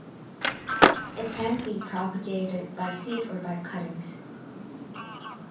It can be propagated by seed or by cuttings.